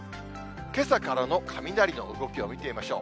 けさからの雷の動きを見てみましょう。